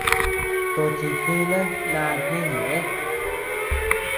Tochi jinan naa jiñeʼë.